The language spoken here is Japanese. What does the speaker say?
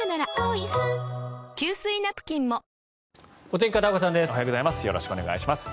おはようございます。